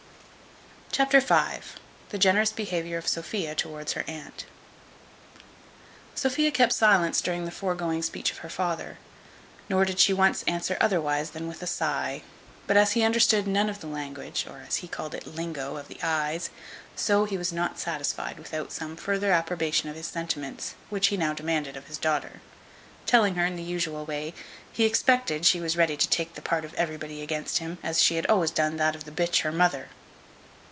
Chapter v. The generous behaviour of Sophia towards her aunt. Sophia kept silence during the foregoing speech of her father, nor did she once answer otherwise than with a sigh; but as he understood none of the language, or, as he called it, lingo of the eyes, so he was not satisfied without some further approbation of his sentiments, which he now demanded of his daughter; telling her, in the usual way, "he expected she was ready to take the part of everybody against him, as she had always done that of the b her mother."